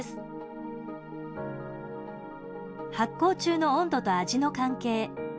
発酵中の温度と味の関係。